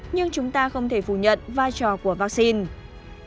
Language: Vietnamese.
nhưng chúng ta không thể phủ nhận vai trò của vaccine